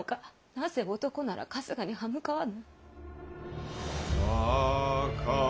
なぜ男なら春日に刃向かわぬ！